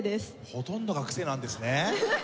ほとんどが癖なんですね。